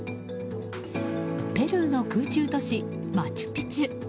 ペルーの空中都市マチュピチュ。